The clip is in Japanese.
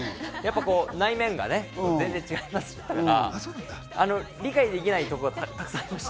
内面がね、全然違いますから、理解できないところも沢山ありまして。